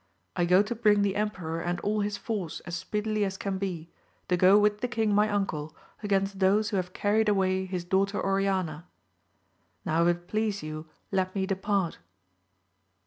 I go to bring thQ em peror and all his force as speedily as can be, to go with the king my uncle against those who have carried away hia daughter Oriana ; now if it please you let me depart.